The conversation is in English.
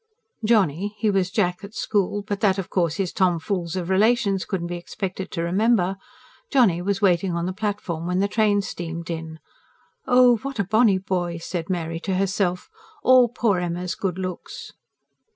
Johnny he was Jack at school, but that, of course, his tomfools of relations couldn't be expected to remember Johnny was waiting on the platform when the train steamed in. "Oh, what a bonny boy!" said Mary to herself. "All poor Emma's good looks."